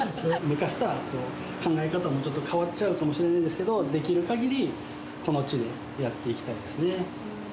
昔とは考え方もちょっと変わっちゃうかもしれないですけど、できるかぎり、この地でやっていきたいですね。